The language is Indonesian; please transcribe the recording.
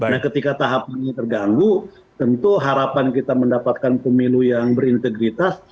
nah ketika tahapannya terganggu tentu harapan kita mendapatkan pemilu yang berintegritas